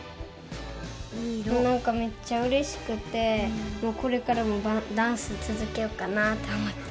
なんかめっちゃうれしくてこれからもダンス続けよっかなって思った。